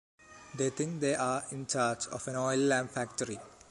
They think they are in charge of an oil lamp factory.